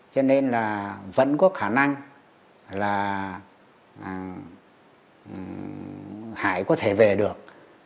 cho nên là vẫn có khả năng là hải có thể về được